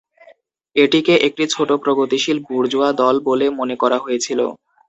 এটিকে একটি ছোট প্রগতিশীল বুর্জোয়া দল বলে মনে করা হয়েছিল।